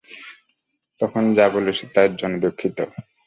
তখন যা বলেছি তার জন্য দুঃখিত।